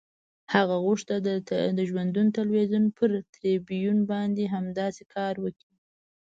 هغه غوښتل د ژوندون تلویزیون پر تریبیون باندې همداسې کار وکړي.